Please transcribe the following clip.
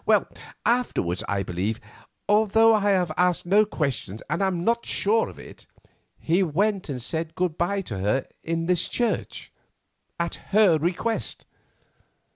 Well, afterwards I believe, although I have asked no questions and am not sure of it, he went and said good bye to her in this church, at her request.